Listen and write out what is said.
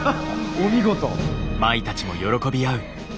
お見事。